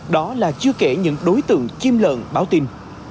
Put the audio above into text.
đó là chưa kể những đối tượng chim lợn báo tin